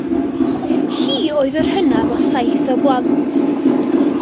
Hi oedd yr hynaf o saith o blant.